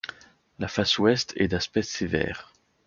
La face ouest est d'aspect sévère.